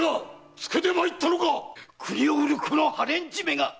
つけて参ったのか⁉国を売るこの破廉恥めが！